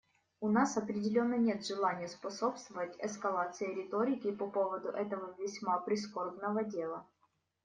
У нас определенно нет желания способствовать эскалации риторики по поводу этого весьма прискорбного дела.